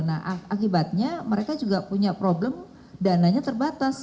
nah akibatnya mereka juga punya problem dananya terbatas